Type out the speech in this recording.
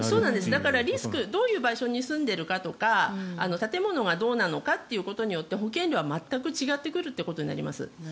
だからどういう場所に住んでいるかとか建物がどうなのかってことによって保険料は全く違ってくるということになります。